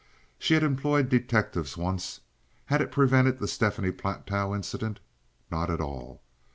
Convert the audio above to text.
She had employed detectives once. Had it prevented the Stephanie Platow incident? Not at all.